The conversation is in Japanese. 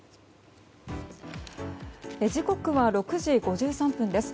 時刻は６時５３分です。